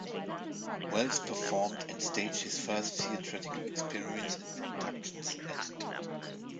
Welles performed and staged his first theatrical experiments and productions at Todd.